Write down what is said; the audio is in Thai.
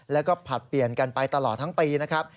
แล้วก็ผลัดเปลี่ยนกันไปตลอดทั้งปีนะครับ